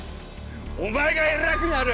お前が偉くなる？